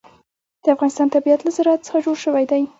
د افغانستان طبیعت له زراعت څخه جوړ شوی دی.